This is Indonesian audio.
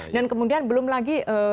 dan kemudian belum lagi